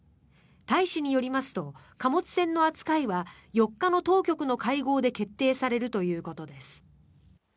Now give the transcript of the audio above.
大使によりますと貨物船の扱いは４日の当局の会合で決定されるということです。